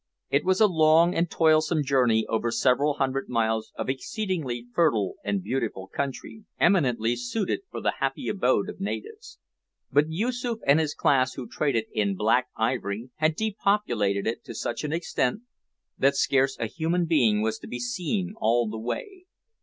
It was a long and toilsome journey over several hundred miles of exceedingly fertile and beautiful country, eminently suited for the happy abode of natives. But Yoosoof and his class who traded in black ivory had depopulated it to such an extent that scarce a human being was to be seen all the way.